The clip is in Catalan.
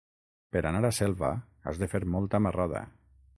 Per anar a Selva has de fer molta marrada.